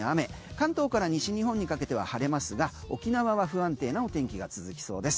関東から西日本にかけては晴れますが沖縄は不安定なお天気が続きそうです。